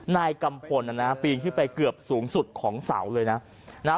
นายกำพลนะครับปีนขึ้นไปเกือบสูงสุดของเสาเลยนะ